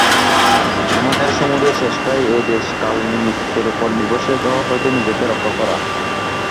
আমাদের সমুদয় চেষ্টাই এই দেশ-কাল-নিমিত্তের উপর নির্ভরশীলতা হইতে নিজেকে রক্ষা করা।